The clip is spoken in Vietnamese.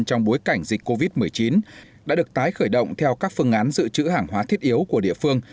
trong bối cảnh dịch covid một mươi chín đã được tái khởi động theo các phương án dự trữ hàng hóa thiết yếu của địa phương